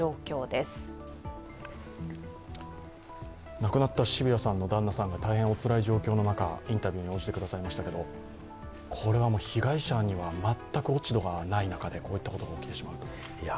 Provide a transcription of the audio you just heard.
亡くなった渋谷さんの旦那さんが大変おつらい状況の中、インタビューに応じてくださいましたけど、被害者には全く落ち度がない中でこういったことが起きてしまう。